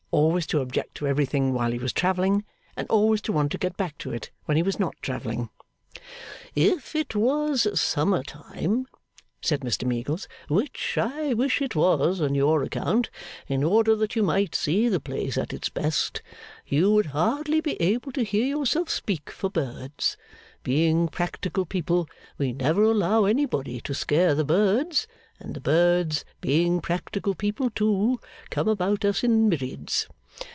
Always to object to everything while he was travelling, and always to want to get back to it when he was not travelling. 'If it was summer time,' said Mr Meagles, 'which I wish it was on your account, and in order that you might see the place at its best, you would hardly be able to hear yourself speak for birds. Being practical people, we never allow anybody to scare the birds; and the birds, being practical people too, come about us in myriads.